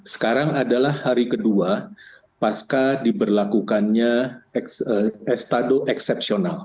sekarang adalah hari kedua pasca diberlakukannya estado eksepsional